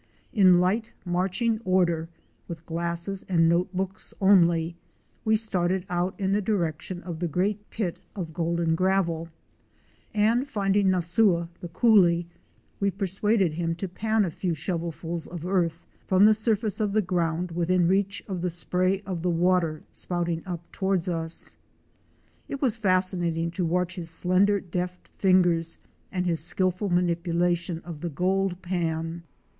In light marching order, with glasses and note books only, we started out in the direction of the great pit of golden gravel, and finding Nasua, the coolie, we persuaded him to pan a few shovelfuls of earth from the surface of the ground within reach of the spray of the water spouting up towards us. It was fascinating to watch his slender deft fingers and his skilful manipulation of the gold pan.